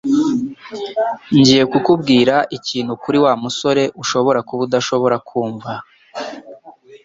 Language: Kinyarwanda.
Ngiye kukubwira ikintu kuri Wa musore ushobora kuba udashaka kumva